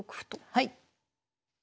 はい。